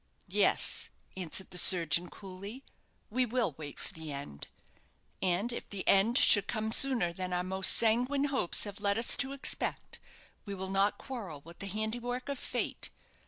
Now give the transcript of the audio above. "Yes," answered the surgeon, coolly, "we will wait for the end; and if the end should come sooner than our most sanguine hopes have led us to expect, we will not quarrel with the handiwork of fate.